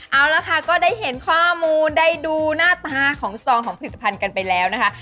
เอาละค่ะก็ได้เห็นข้อมูลได้ดูหน้าตาของซองของผลิตภัณฑ์กันไปแล้วนะคะ